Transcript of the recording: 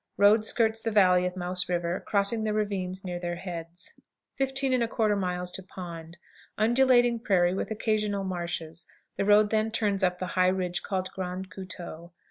Road skirts the valley of Mouse River, crossing the ravines near their heads. 15 1/4. Pond. Undulating prairie with occasional marshes; the road then turns up the high ridge called "Grand Coteau."